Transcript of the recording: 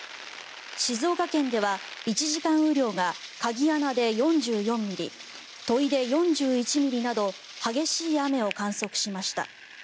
静岡県では１時間雨量が鍵穴で４４ミリ土肥で４１ミリなど激しい雨を観測しました。